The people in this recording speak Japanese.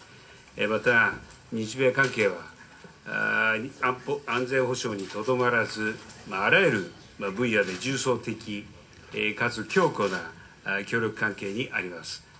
また、日米関係は安全保障にとどまらずあらゆる分野で重層的かつ強固な協力関係にあります。